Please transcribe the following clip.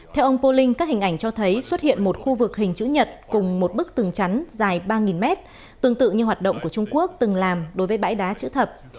theo ông poling các hình ảnh cho thấy xuất hiện một khu vực hình chữ nhật cùng một bức tường chắn dài ba mét tương tự như hoạt động của trung quốc từng làm đối với bãi đá chữ thập